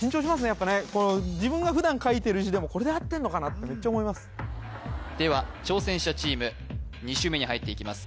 やっぱね自分が普段書いてる字でもこれで合ってるのかなってめっちゃ思いますでは挑戦者チーム２周目に入っていきます